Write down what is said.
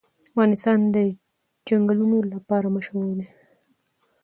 افغانستان د چنګلونه لپاره مشهور دی.